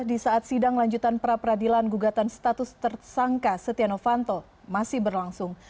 di saat sidang lanjutan pra peradilan gugatan status tersangka setia novanto masih berlangsung